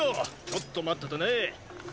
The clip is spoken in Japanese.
ちょっと待っててね。